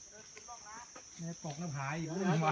และที่สุดท้ายและที่สุดท้าย